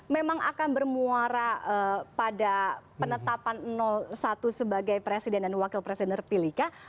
memang akan bermuara pada penetapan satu sebagai presiden dan wakil presiden terpilihkah